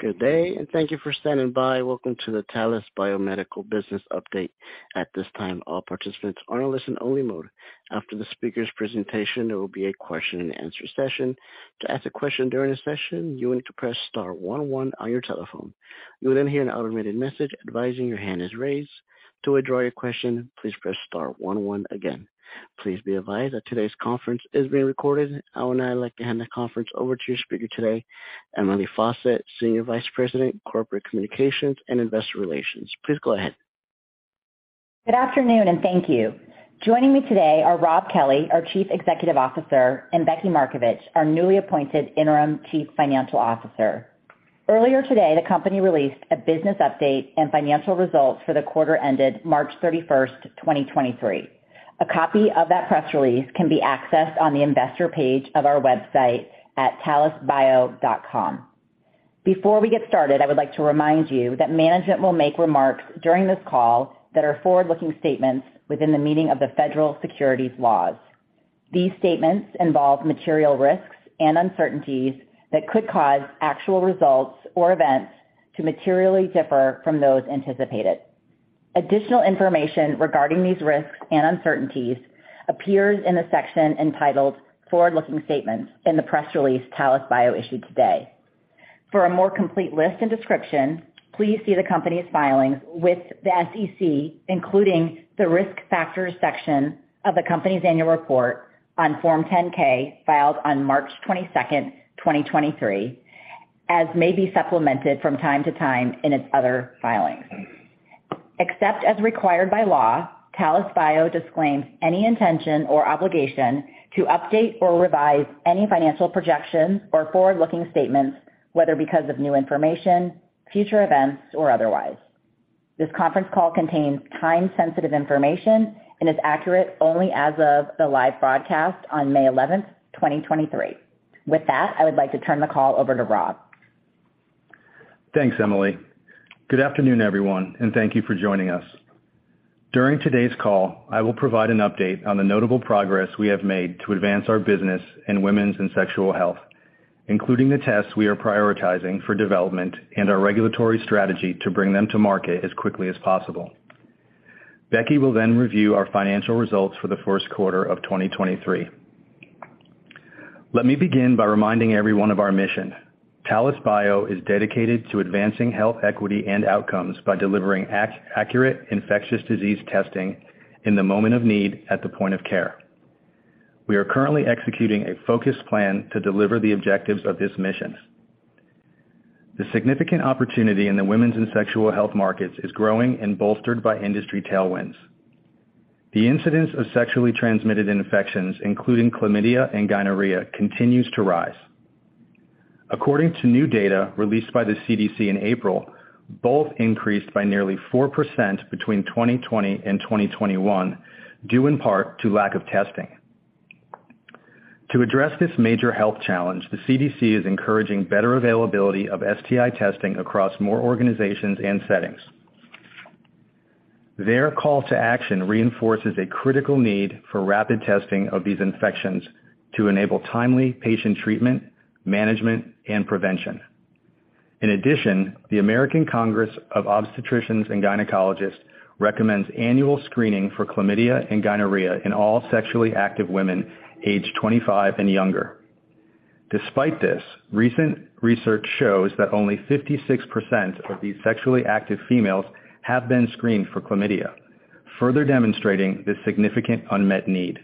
Good day, thank you for standing by. Welcome to the Talis Biomedical Business Update. At this time, all participants are in listen only mode. After the speaker's presentation, there will be a question and answer session. To ask a question during the session, you need to press star 11 on your telephone. You will hear an automated message advising your hand is raised. To withdraw your question, please press star 11 again. Please be advised that today's conference is being recorded. I would now like to hand the conference over to your speaker today, Emily Fawcett, Senior Vice President, Corporate Communications and Investor Relations. Please go ahead. Good afternoon and thank you. Joining me today are Rob Kelley, our Chief Executive Officer, and Rebecca Markovich, our newly appointed Interim Chief Financial Officer. Earlier today, the company released a business update and financial results for the quarter ended March 31st, 2023. A copy of that press release can be accessed on the investor page of our website at talisbio.com. Before we get started, I would like to remind you that management will make remarks during this call that are forward-looking statements within the meaning of the federal securities laws. These statements involve material risks and uncertainties that could cause actual results or events to materially differ from those anticipated. Additional information regarding these risks and uncertainties appears in the section entitled Forward Looking Statements in the press release Talis Bio issued today. For a more complete list and description, please see the company's filings with the SEC, including the Risk Factors section of the company's annual report on Form 10-K, filed on March 22, 2023, as may be supplemented from time to time in its other filings. Except as required by law, Talis Bio disclaims any intention or obligation to update or revise any financial projections or forward-looking statements, whether because of new information, future events, or otherwise. This conference call contains time-sensitive information and is accurate only as of the live broadcast on May 11, 2023. With that, I would like to turn the call over to Rob. Thanks, Emily. Good afternoon, everyone. Thank you for joining us. During today's call, I will provide an update on the notable progress we have made to advance our business in women's and sexual health, including the tests we are prioritizing for development and our regulatory strategy to bring them to market as quickly as possible. Becky will review our financial results for the first quarter of 2023. Let me begin by reminding everyone of our mission. Talis Bio is dedicated to advancing health equity and outcomes by delivering accurate infectious disease testing in the moment of need at the point of care. We are currently executing a focused plan to deliver the objectives of this mission. The significant opportunity in the women's and sexual health markets is growing and bolstered by industry tailwinds. The incidence of sexually transmitted infections, including Chlamydia and Gonorrhea, continues to rise. According to new data released by the CDC in April, both increased by nearly 4% between 2020 and 2021, due in part to lack of testing. To address this major health challenge, the CDC is encouraging better availability of STI testing across more organizations and settings. Their call to action reinforces a critical need for rapid testing of these infections to enable timely patient treatment, management, and prevention. In addition, the American Congress of Obstetricians and Gynecologists recommends annual screening for chlamydia and gonorrhea in all sexually active women aged 25 and younger. Despite this, recent research shows that only 56% of these sexually active females have been screened for chlamydia, further demonstrating the significant unmet need.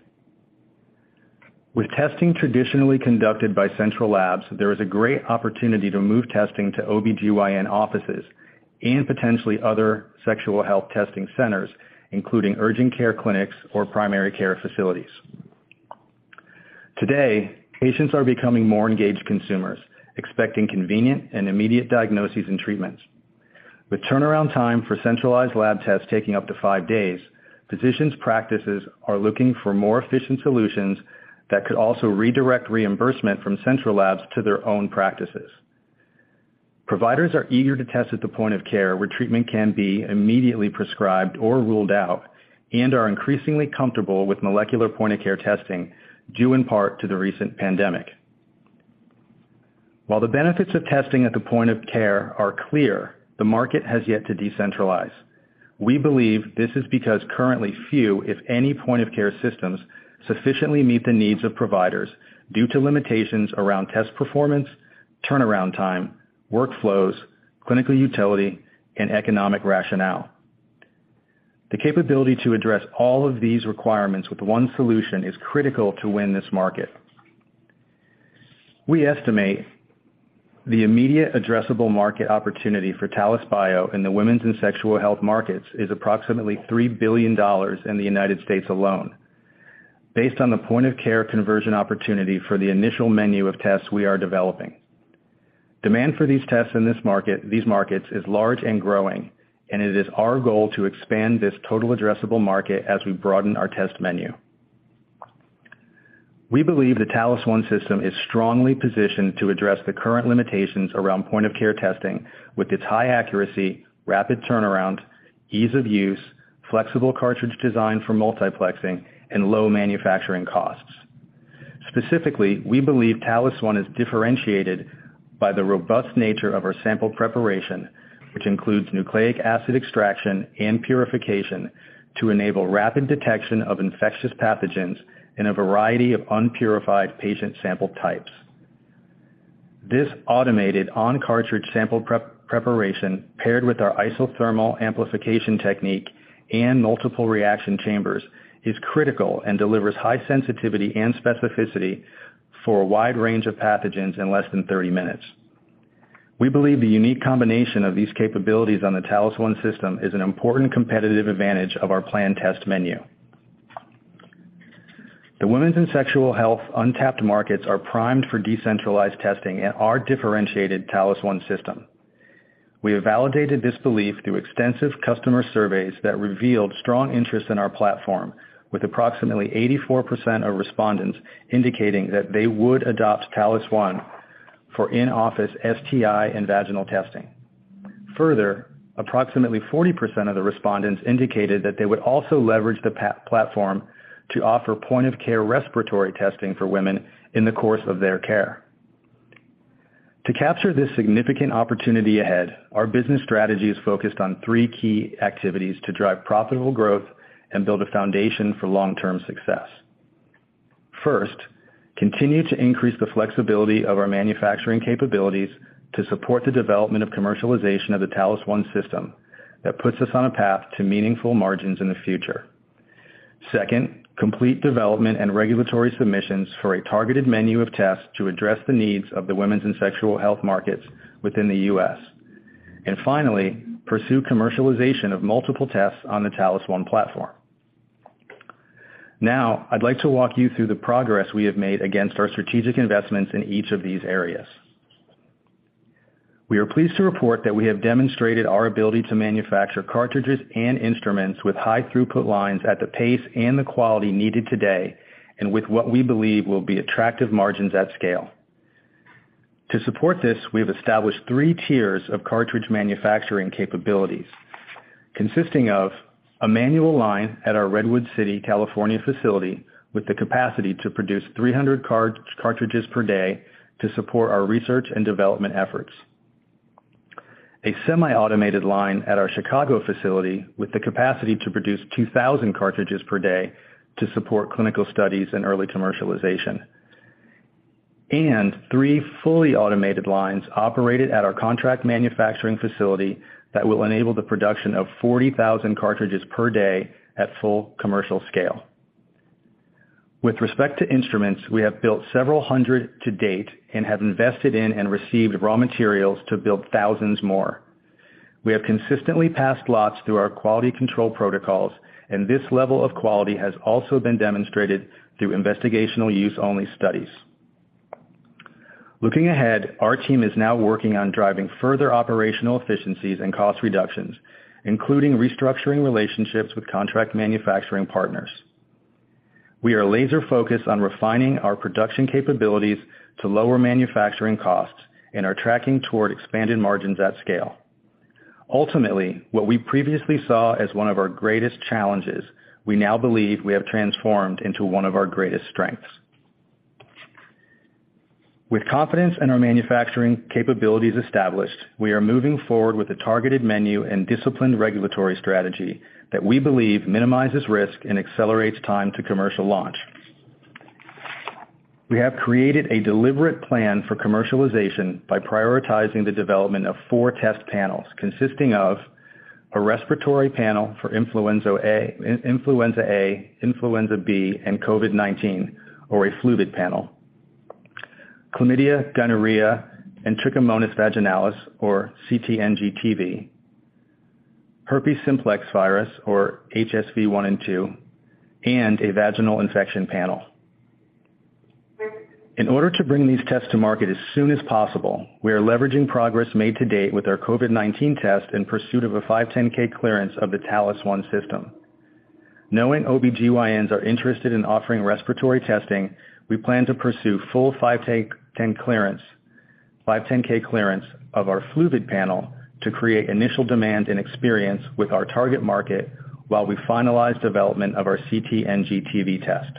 With testing traditionally conducted by central labs, there is a great opportunity to move testing to OBGYN offices and potentially other sexual health testing centers, including urgent care clinics or primary care facilities. Today, patients are becoming more engaged consumers, expecting convenient and immediate diagnoses and treatments. With turnaround time for centralized lab tests taking up to five days, physicians' practices are looking for more efficient solutions that could also redirect reimbursement from central labs to their own practices. Providers are eager to test at the point of care where treatment can be immediately prescribed or ruled out, and are increasingly comfortable with molecular point of care testing, due in part to the recent pandemic. While the benefits of testing at the point of care are clear, the market has yet to decentralize. We believe this is because currently few, if any, point of care systems sufficiently meet the needs of providers due to limitations around test performance, turnaround time, workflows, clinical utility, and economic rationale. The capability to address all of these requirements with one solution is critical to win this market. We estimate the immediate addressable market opportunity for Talis Bio in the women's and sexual health markets is approximately $3 billion in the United States alone based on the point-of-care conversion opportunity for the initial menu of tests we are developing. Demand for these tests in these markets is large and growing. It is our goal to expand this total addressable market as we broaden our test menu. We believe the Talis One system is strongly positioned to address the current limitations around point-of-care testing with its high accuracy, rapid turnaround, ease of use, flexible cartridge design for multiplexing, and low manufacturing costs. Specifically, we believe Talis One is differentiated by the robust nature of our sample preparation, which includes nucleic acid extraction and purification to enable rapid detection of infectious pathogens in a variety of unpurified patient sample types. This automated on-cartridge sample preparation, paired with our isothermal amplification technique and multiple reaction chambers, is critical and delivers high sensitivity and specificity for a wide range of pathogens in less than 30 minutes. We believe the unique combination of these capabilities on the Talis One system is an important competitive advantage of our planned test menu. The women's and sexual health untapped markets are primed for decentralized testing and our differentiated Talis One system. We have validated this belief through extensive customer surveys that revealed strong interest in our platform, with approximately 84% of respondents indicating that they would adopt Talis One for in-office STI and vaginal testing. Further, approximately 40% of the respondents indicated that they would also leverage the platform to offer point-of-care respiratory testing for women in the course of their care. To capture this significant opportunity ahead, our business strategy is focused on three key activities to drive profitable growth and build a foundation for long-term success. First, continue to increase the flexibility of our manufacturing capabilities to support the development of commercialization of the Talis One system that puts us on a path to meaningful margins in the future. Second, complete development and regulatory submissions for a targeted menu of tests to address the needs of the women's and sexual health markets within the U.S. Finally, pursue commercialization of multiple tests on the Talis One platform. Now, I'd like to walk you through the progress we have made against our strategic investments in each of these areas. We are pleased to report that we have demonstrated our ability to manufacture cartridges and instruments with high throughput lines at the pace and the quality needed today and with what we believe will be attractive margins at scale. To support this, we have established three tiers of cartridge manufacturing capabilities, consisting of a manual line at our Redwood City, California, facility with the capacity to produce 300 cartridges per day to support our research and development efforts. A semi-automated line at our Chicago facility with the capacity to produce 2,000 cartridges per day to support clinical studies and early commercialization. Three fully automated lines operated at our contract manufacturing facility that will enable the production of 40,000 cartridges per day at full commercial scale. With respect to instruments, we have built several hundred to date and have invested in and received raw materials to build thousands more. We have consistently passed lots through our quality control protocols, and this level of quality has also been demonstrated through investigational use-only studies. Looking ahead, our team is now working on driving further operational efficiencies and cost reductions, including restructuring relationships with contract manufacturing partners. We are laser-focused on refining our production capabilities to lower manufacturing costs and are tracking toward expanded margins at scale. Ultimately, what we previously saw as one of our greatest challenges, we now believe we have transformed into one of our greatest strengths. With confidence in our manufacturing capabilities established, we are moving forward with a targeted menu and disciplined regulatory strategy that we believe minimizes risk and accelerates time to commercial launch. We have created a deliberate plan for commercialization by prioritizing the development of four test panels consisting of a respiratory panel for Influenza A, Influenza B, and COVID-19, or a COVID-Flu Panel. Chlamydia, gonorrhea, and Trichomonas vaginalis, or CT/NG/TV. Herpes simplex virus, or HSV-1 and HSV-2, and a vaginal infection panel. In order to bring these tests to market as soon as possible, we are leveraging progress made to date with our COVID-19 test in pursuit of a 510(k) clearance of the Talis One system. Knowing OBGYNs are interested in offering respiratory testing, we plan to pursue full 510(k) clearance of our Flu Panel to create initial demand and experience with our target market while we finalize development of our CT/NG/TV test.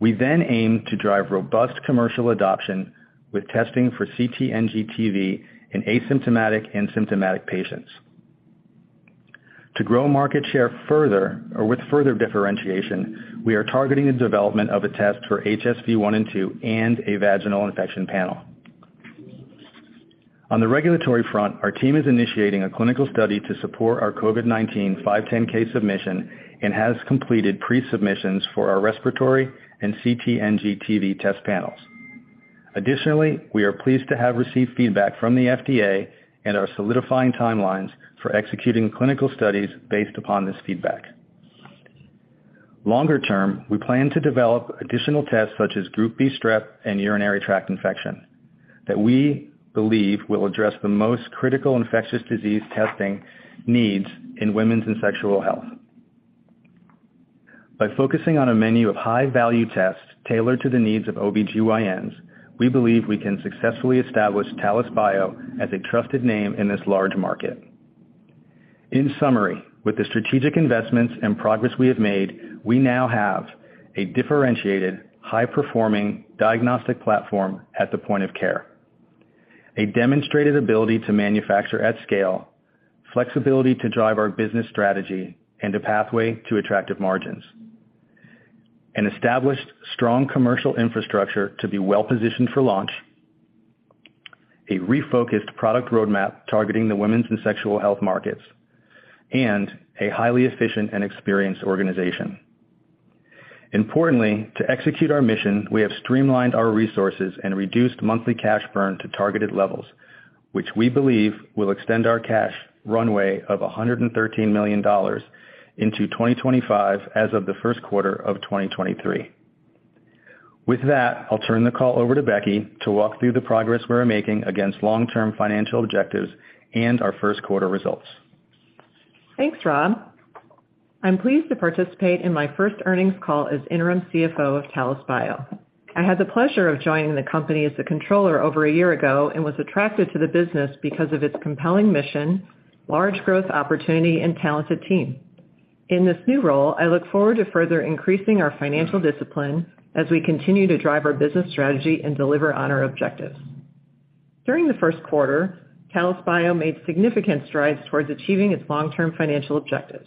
We aim to drive robust commercial adoption with testing for CT/NG/TV in asymptomatic and symptomatic patients. To grow market share further or with further differentiation, we are targeting the development of a test for HSV-1 and HSV-2 and a vaginal infection panel. On the regulatory front, our team is initiating a clinical study to support our COVID-19 510(k) submission and has completed Pre-Submissions for our respiratory and CT/NG/TV test panels. We are pleased to have received feedback from the FDA and are solidifying timelines for executing clinical studies based upon this feedback. Longer term, we plan to develop additional tests such as Group B strep and urinary tract infection that we believe will address the most critical infectious disease testing needs in women's and sexual health. By focusing on a menu of high-value tests tailored to the needs of OBGYNs, we believe we can successfully establish Talis Bio as a trusted name in this large market. In summary, with the strategic investments and progress we have made, we now have a differentiated, high-performing diagnostic platform at the point of care, a demonstrated ability to manufacture at scale, flexibility to drive our business strategy, and a pathway to attractive margins. An established strong commercial infrastructure to be well-positioned for launch, a refocused product roadmap targeting the women's and sexual health markets, and a highly efficient and experienced organization. Importantly, to execute our mission, we have streamlined our resources and reduced monthly cash burn to targeted levels, which we believe will extend our cash runway of $113 million into 2025 as of the first quarter of 2023. With that, I'll turn the call over to Becky to walk through the progress we are making against long-term financial objectives and our first quarter results. Thanks, Rob. I'm pleased to participate in my first earnings call as Interim CFO of Talis Bio. I had the pleasure of joining the company as a controller over a year ago and was attracted to the business because of its compelling mission, large growth opportunity, and talented team. In this new role, I look forward to further increasing our financial discipline as we continue to drive our business strategy and deliver on our objectives. During the first quarter, Talis Bio made significant strides towards achieving its long-term financial objectives.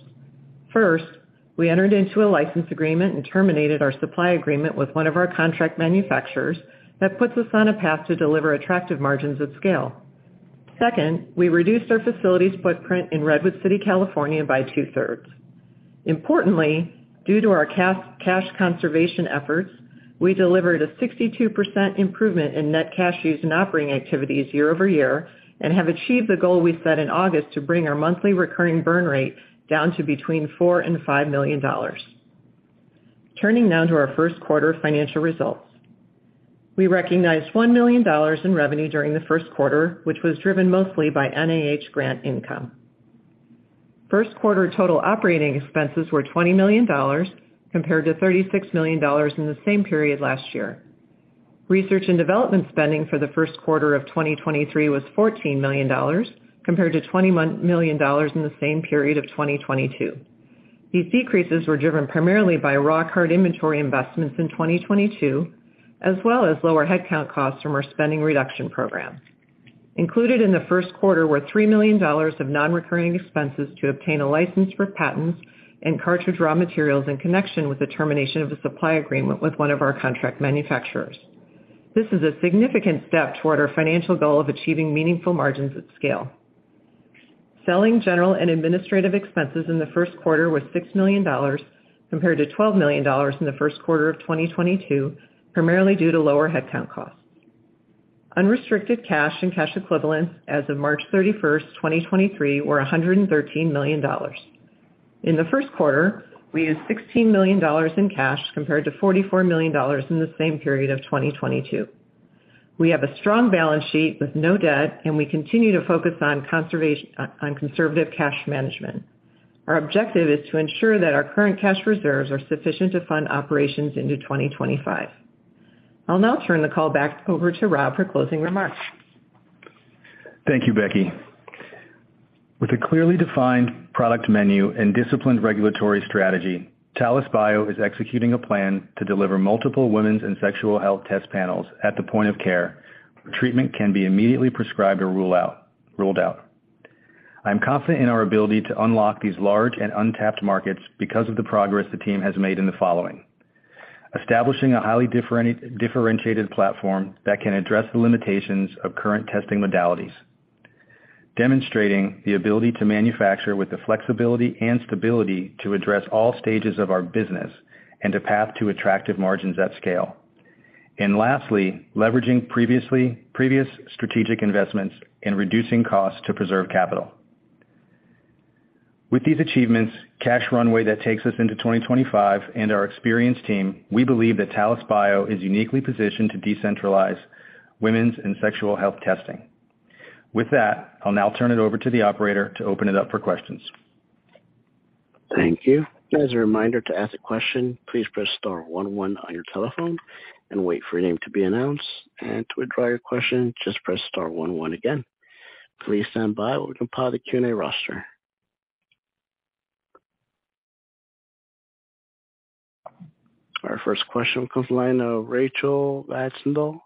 We entered into a license agreement and terminated our supply agreement with one of our contract manufacturers that puts us on a path to deliver attractive margins at scale. We reduced our facilities footprint in Redwood City, California, by two-thirds. Importantly, due to our cash conservation efforts, we delivered a 62% improvement in net cash used in operating activities year-over-year and have achieved the goal we set in August to bring our monthly recurring burn rate down to between $4 million and $5 million. Turning now to our first quarter financial results. We recognized $1 million in revenue during the first quarter, which was driven mostly by NIH grant income. First quarter total operating expenses were $20 million compared to $36 million in the same period last year. Research and development spending for the first quarter of 2023 was $14 million compared to $21 million in the same period of 2022. These decreases were driven primarily by raw card inventory investments in 2022, as well as lower headcount costs from our spending reduction program. Included in the first quarter were $3 million of non-recurring expenses to obtain a license for patents and cartridge raw materials in connection with the termination of a supply agreement with one of our contract manufacturers. This is a significant step toward our financial goal of achieving meaningful margins at scale. Selling general and administrative expenses in the first quarter was $6 million compared to $12 million in the first quarter of 2022, primarily due to lower headcount costs. Unrestricted cash and cash equivalents as of March 31st, 2023, were $113 million. In the first quarter, we used $16 million in cash compared to $44 million in the same period of 2022. We have a strong balance sheet with no debt, and we continue to focus on conservative cash management. Our objective is to ensure that our current cash reserves are sufficient to fund operations into 2025. I'll now turn the call back over to Rob for closing remarks. Thank you, Becky. With a clearly defined product menu and disciplined regulatory strategy, Talis Bio is executing a plan to deliver multiple women's and sexual health test panels at the point of care where treatment can be immediately prescribed or ruled out. I'm confident in our ability to unlock these large and untapped markets because of the progress the team has made in the following. Establishing a highly differentiated platform that can address the limitations of current testing modalities. Demonstrating the ability to manufacture with the flexibility and stability to address all stages of our business and to path to attractive margins at scale. Lastly, leveraging previous strategic investments in reducing costs to preserve capital. With these achievements, cash runway that takes us into 2025 and our experienced team, we believe that Talis Bio is uniquely positioned to decentralize women's and sexual health testing. With that, I'll now turn it over to the operator to open it up for questions. Thank you. Just a reminder to ask a question, please press star 11 on your telephone and wait for your name to be announced. To withdraw your question, just press star 11 again. Please stand by while we compile the Q&A roster. Our first question comes the line of Rachael Vatnsdal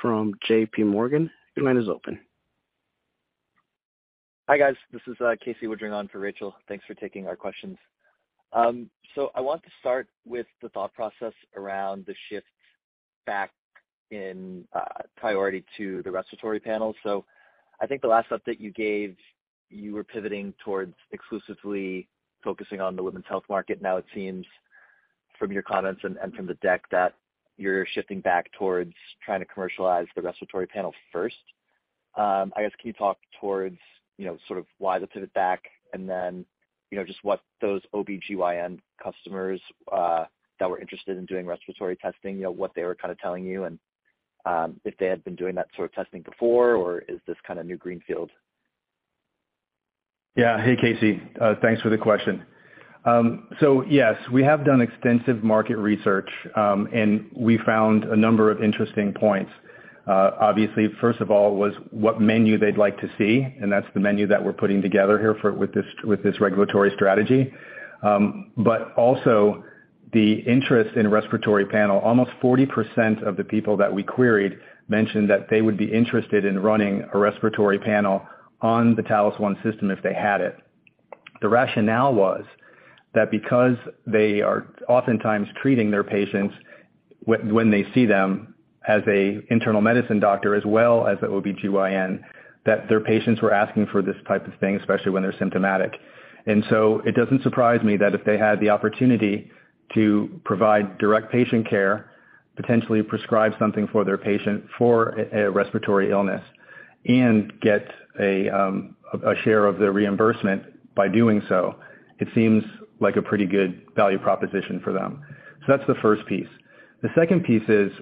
from J.P. Morgan. Your line is open. Hi, guys. This is Casey Woodring on for Rachel. Thanks for taking our questions. I want to start with the thought process around the shift back in priority to the respiratory panel. I think the last update you gave, you were pivoting towards exclusively focusing on the women's health market. Now it seems from your comments and from the deck that you're shifting back towards trying to commercialize the respiratory panel first. I guess, can you talk towards, you know, sort of why the pivot back? Then, you know, just what those OBGYN customers that were interested in doing respiratory testing, you know, what they were kinda telling you and if they had been doing that sort of testing before, or is this kinda new greenfield? Hey, Casey. Thanks for the question. Yes, we have done extensive market research, and we found a number of interesting points. Obviously, first of all, was what menu they'd like to see, and that's the menu that we're putting together here with this, with this regulatory strategy. Also the interest in respiratory panel. Almost 40% of the people that we queried mentioned that they would be interested in running a respiratory panel on the Talis One system if they had it. The rationale was that because they are oftentimes treating their patients when they see them as a internal medicine doctor, as well as an OBGYN, that their patients were asking for this type of thing, especially when they're symptomatic. It doesn't surprise me that if they had the opportunity to provide direct patient care, potentially prescribe something for their patient for a respiratory illness, and get a share of the reimbursement by doing so, it seems like a pretty good value proposition for them. That's the first piece. The second piece is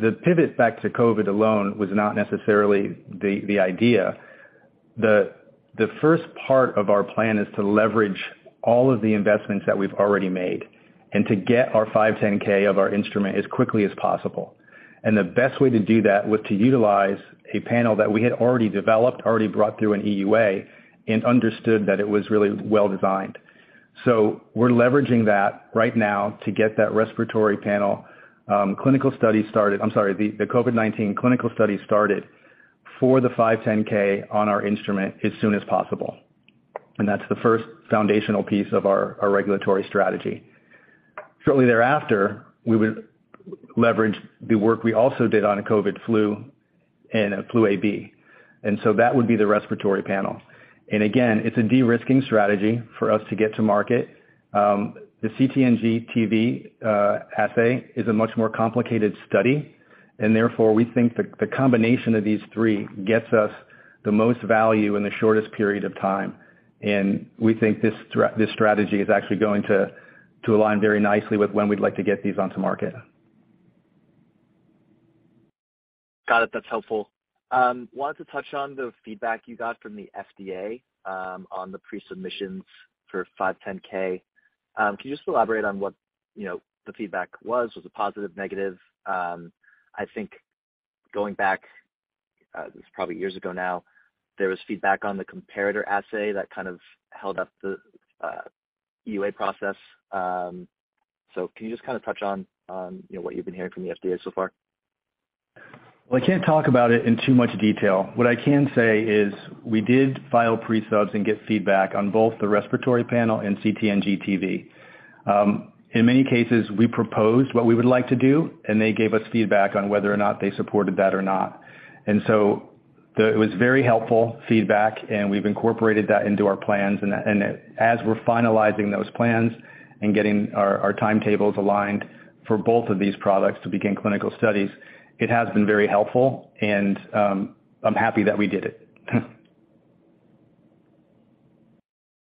the pivot back to COVID alone was not necessarily the idea. The first part of our plan is to leverage all of the investments that we've already made and to get our 510(k) of our instrument as quickly as possible. The best way to do that was to utilize a panel that we had already developed, already brought through an EUA, and understood that it was really well-designed. We're leveraging that right now to get that respiratory panel clinical study started... I'm sorry, the COVID-19 clinical study started for the 510(k) on our instrument as soon as possible. That's the first foundational piece of our regulatory strategy. Shortly thereafter, we would leverage the work we also did on a COVID-Flu and a Flu AB. That would be the respiratory panel. Again, it's a de-risking strategy for us to get to market. The CT/NG/TV assay is a much more complicated study and therefore we think the combination of these three gets us the most value in the shortest period of time, and we think this strategy is actually going to align very nicely with when we'd like to get these onto market. Got it. That's helpful. Wanted to touch on the feedback you got from the FDA, on the Pre-Submission for 510(k). Can you just elaborate on what, you know, the feedback was? Was it positive, negative? I think going back, it's probably years ago now, there was feedback on the comparator assay that kind of held up the EUA process. Can you just kinda touch on, you know, what you've been hearing from the FDA so far? Well, I can't talk about it in too much detail. What I can say is we did file Pre-Subs and get feedback on both the respiratory panel and CT/NG/TV. In many cases, we proposed what we would like to do, and they gave us feedback on whether or not they supported that or not. It was very helpful feedback, and we've incorporated that into our plans and as we're finalizing those plans and getting our timetables aligned for both of these products to begin clinical studies, it has been very helpful and I'm happy that we did it.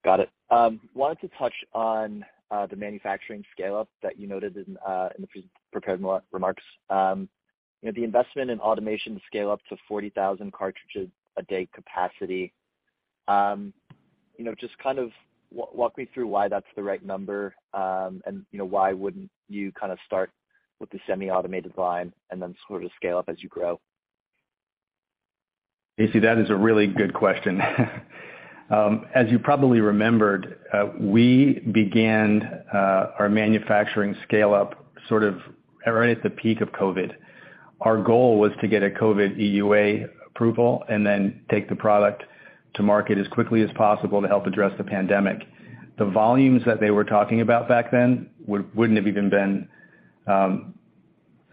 Got it. Wanted to touch on the manufacturing scale-up that you noted in the pre-prepared re-remarks. You know, the investment in automation scale-up to 40,000 cartridges a day capacity. You know, just kind of walk me through why that's the right number, and, you know, why wouldn't you kinda start with the semi-automated line and then sort of scale up as you grow? Casey, that is a really good question. As you probably remembered, we began our manufacturing scale-up sort of right at the peak of COVID-19. Our goal was to get a COVID-19 EUA approval and then take the product to market as quickly as possible to help address the pandemic. The volumes that they were talking about back then wouldn't have even been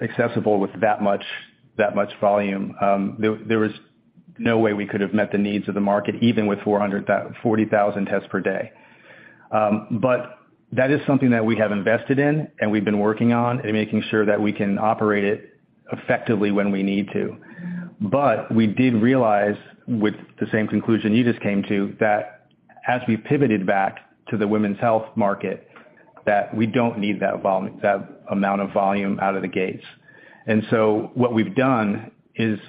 accessible with that much volume. There was no way we could have met the needs of the market, even with 40,000 tests per day. That is something that we have invested in and we've been working on and making sure that we can operate it effectively when we need to. We did realize, with the same conclusion you just came to, that as we pivoted back to the women's health market, that we don't need that amount of volume out of the gates. What we've done is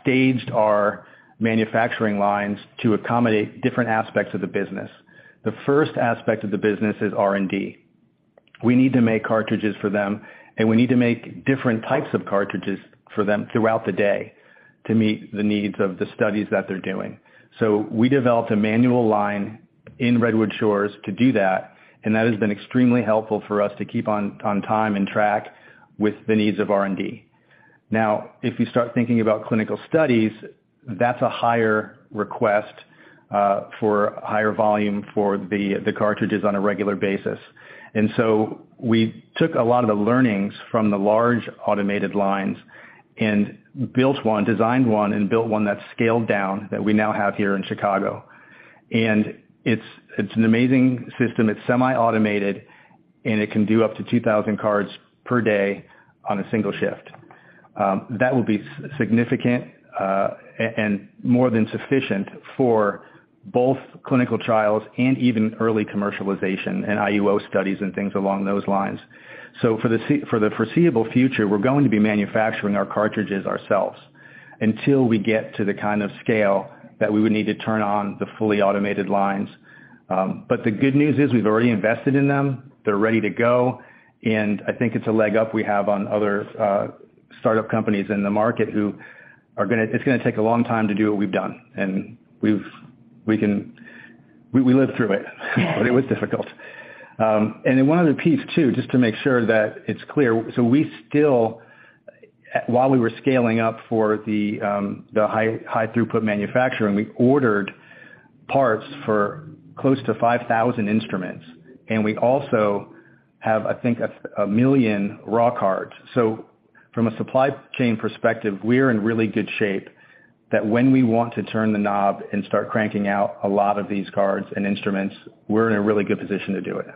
staged our manufacturing lines to accommodate different aspects of the business. The first aspect of the business is R&D. We need to make cartridges for them, and we need to make different types of cartridges for them throughout the day to meet the needs of the studies that they're doing. We developed a manual line in Redwood Shores to do that, and that has been extremely helpful for us to keep on time and track with the needs of R&D. If you start thinking about clinical studies, that's a higher request for higher volume for the cartridges on a regular basis. We took a lot of the learnings from the large automated lines and built one, designed one, and built one that's scaled down that we now have here in Chicago. It's, it's an amazing system. It's semi-automated, and it can do up to 2,000 cards per day on a single shift. That will be significant and more than sufficient for both clinical trials and even early commercialization and IUO studies and things along those lines. For the foreseeable future, we're going to be manufacturing our cartridges ourselves until we get to the kind of scale that we would need to turn on the fully automated lines. The good news is we've already invested in them. They're ready to go. I think it's a leg up we have on other startup companies in the market who are It's gonna take a long time to do what we've done, and we've we lived through it, but it was difficult. Then one other piece too, just to make sure that it's clear. We still, while we were scaling up for the high, high throughput manufacturing, we ordered parts for close to 5,000 instruments. We also have, I think, 1 million raw cards. From a supply chain perspective, we're in really good shape that when we want to turn the knob and start cranking out a lot of these cards and instruments, we're in a really good position to do it.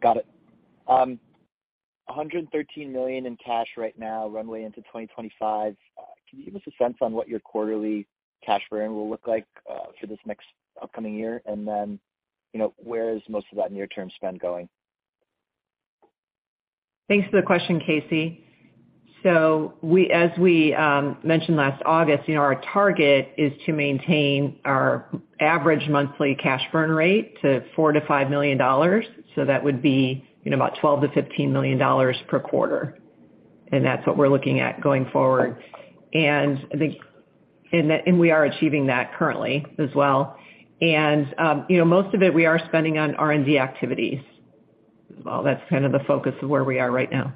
Got it. $113 million in cash right now, runway into 2025. Can you give us a sense on what your quarterly cash burn will look like for this next upcoming year? You know, where is most of that near term spend going? Thanks for the question, Casey. As we mentioned last August, you know, our target is to maintain our average monthly cash burn rate to $4 million-$5 million, so that would be, you know, about $12 million-$15 million per quarter. That's what we're looking at going forward. We are achieving that currently as well. You know, most of it we are spending on R&D activities as well. That's kind of the focus of where we are right now.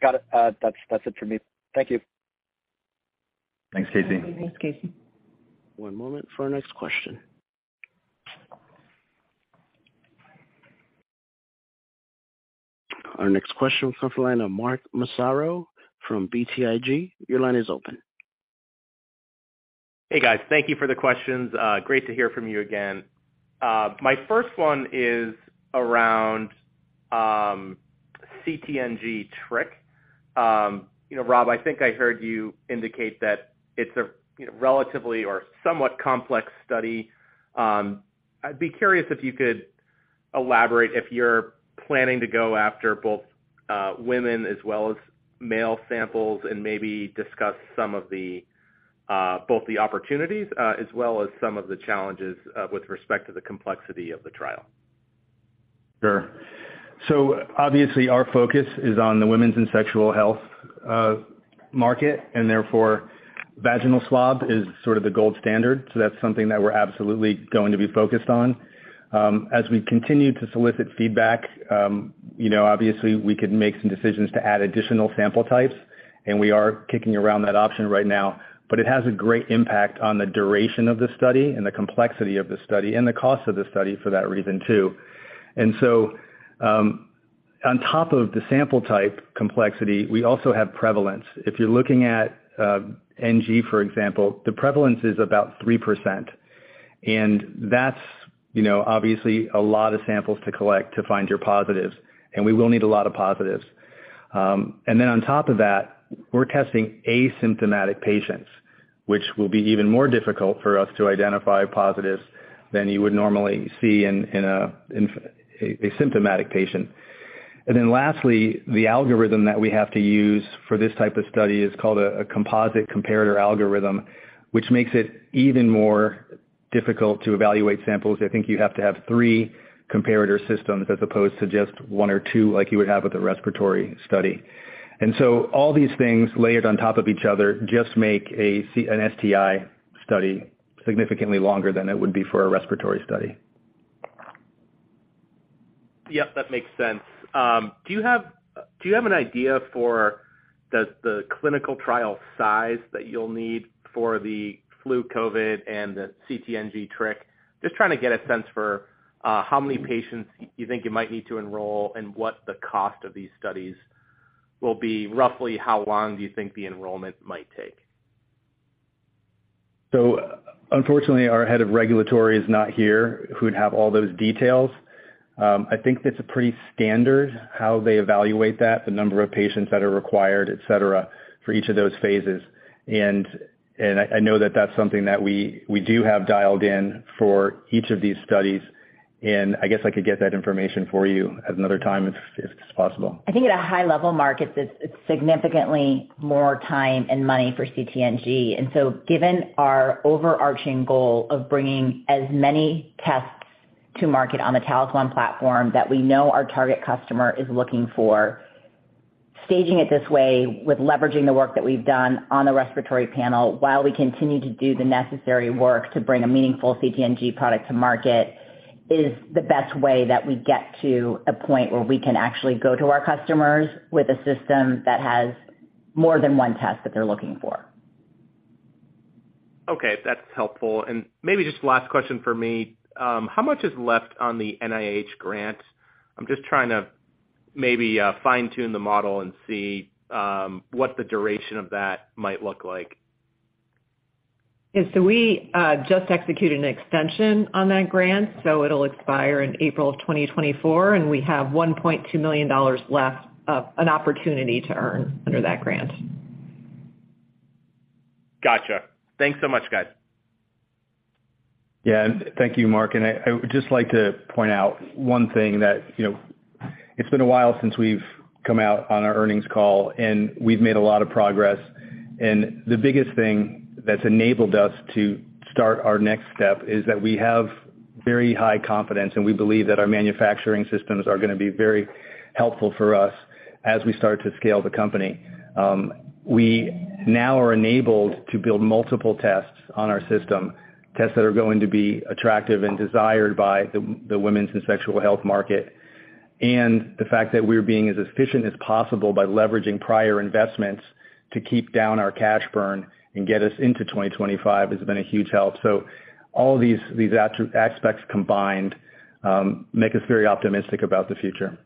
Got it. That's it for me. Thank you. Thanks, Casey. Thanks, Casey. One moment for our next question. Our next question comes from the line of Mark Massaro from BTIG. Your line is open. Hey, guys. Thank you for the questions. Great to hear from you again. My first one is around CT/NG/Trich. You know, Rob, I think I heard you indicate that it's a, you know, relatively or somewhat complex study. I'd be curious if you could elaborate if you're planning to go after both, women as well as male samples and maybe discuss some of the, both the opportunities, as well as some of the challenges, with respect to the complexity of the trial. Sure. Obviously our focus is on the women's and sexual health market and therefore vaginal swab is sort of the gold standard, so that's something that we're absolutely going to be focused on. As we continue to solicit feedback, you know, obviously we could make some decisions to add additional sample types, and we are kicking around that option right now. It has a great impact on the duration of the study and the complexity of the study and the cost of the study for that reason too. On top of the sample type complexity, we also have prevalence. If you're looking at NG, for example, the prevalence is about 3%. That's, you know, obviously a lot of samples to collect to find your positives and we will need a lot of positives. On top of that, we're testing asymptomatic patients, which will be even more difficult for us to identify positives than you would normally see in a symptomatic patient. Lastly, the algorithm that we have to use for this type of study is called a composite comparator algorithm, which makes it even more difficult to evaluate samples. I think you have to have three comparator systems as opposed to just one or two like you would have with a respiratory study. All these things layered on top of each other just make an STI study significantly longer than it would be for a respiratory study. Yep, that makes sense. Do you have an idea for the clinical trial size that you'll need for the flu COVID and the CT/NG/Trich? Just trying to get a sense for how many patients you think you might need to enroll and what the cost of these studies will be. Roughly how long do you think the enrollment might take? Unfortunately, our head of regulatory is not here who'd have all those details. I think that's pretty standard how they evaluate that, the number of patients that are required, et cetera, for each of those phases. I know that that's something that we do have dialed in for each of these studies. I guess I could get that information for you at another time if it's possible. I think at a high level Mark it's significantly more time and money for CT/NG. Given our overarching goal of bringing as many tests to market on the Talis One platform that we know our target customer is looking for, staging it this way with leveraging the work that we've done on the respiratory panel while we continue to do the necessary work to bring a meaningful CT/NG product to market is the best way that we get to a point where we can actually go to our customers with a system that has more than one test that they're looking for. Okay, that's helpful. Maybe just last question for me, how much is left on the NIH grant? I'm just trying to maybe fine-tune the model and see, what the duration of that might look like. Yeah. We just executed an extension on that grant, so it'll expire in April of 2024. We have $1.2 million left of an opportunity to earn under that grant. Gotcha. Thanks so much, guys. Yeah. Thank you, Mark. I would just like to point out one thing that, you know, it's been a while since we've come out on our earnings call and we've made a lot of progress. The biggest thing that's enabled us to start our next step is that we have very high confidence and we believe that our manufacturing systems are gonna be very helpful for us as we start to scale the company. We now are enabled to build multiple tests on our system, tests that are going to be attractive and desired by the women's and sexual health market. The fact that we're being as efficient as possible by leveraging prior investments to keep down our cash burn and get us into 2025 has been a huge help. All these aspects combined make us very optimistic about the future.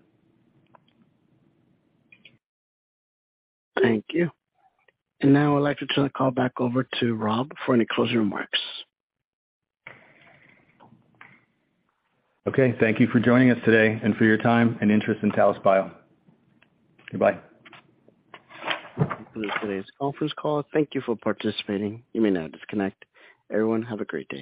Thank you. Now I'd like to turn the call back over to Rob for any closing remarks. Okay. Thank you for joining us today and for your time and interest in Talis Bio. Goodbye. That concludes today's conference call. Thank you for participating. You may now disconnect. Everyone, have a great day.